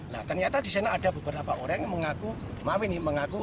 nah ternyata di sana ada beberapa orang yang mengaku maaf ini mengaku